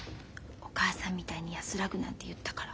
お母さんみたいに安らぐなんて言ったから。